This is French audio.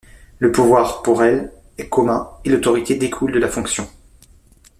Le pouvoir, pour elle, est commun et l'autorité découle de la fonction.